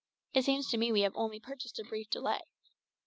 It seems to me we have only purchased a brief delay."